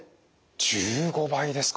１５倍ですか！